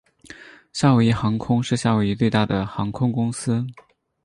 夏威夷航空是夏威夷最大的航空公司。